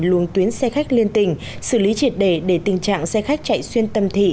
luồng tuyến xe khách liên tình xử lý triệt đề để tình trạng xe khách chạy xuyên tâm thị